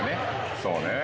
そうね。